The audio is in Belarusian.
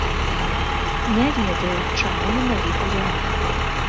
Не ведаю, чаму менавіта яны.